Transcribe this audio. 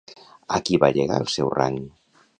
A qui va llegar el seu rang?